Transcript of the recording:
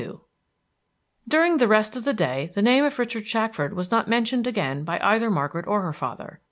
XXII During the rest of the day the name of Richard Shackford was not mentioned again by either Margaret or her father.